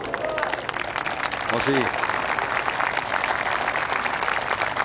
惜しい。